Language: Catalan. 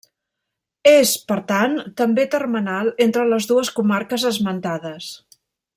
És, per tant, també termenal entre les dues comarques esmentades.